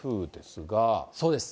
そうです。